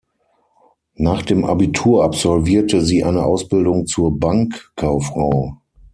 Nach dem Abitur absolvierte sie eine Ausbildung zur Bankkauffrau.